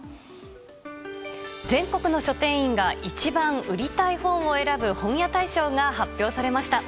全国の書店員が一番売りたい本を選ぶ本屋大賞が発表されました。